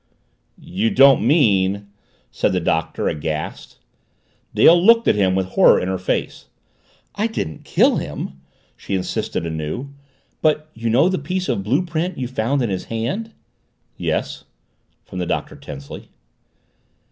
"YOU DON'T MEAN?" said the Doctor aghast. Dale looked at him with horror in her face. "I didn't kill him!" she insisted anew. "But, you know the piece of blue print you found in his hand?" "Yes," from the Doctor tensely.